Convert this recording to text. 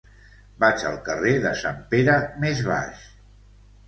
Vaig al carrer de Sant Pere Més Baix.